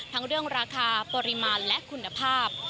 ทั้งเรื่องราคาปริมาณและคุณภาพ